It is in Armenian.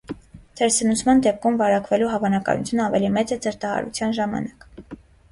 Թերսնուցման դեպքում վարակվելու հավանականությունը ավելի մեծ է ցրտահարության ժամանակ։